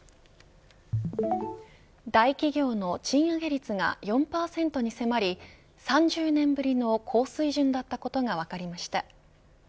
大企業の賃上げ率が４％に迫り３０年ぶりの高水準だったことが分かりました。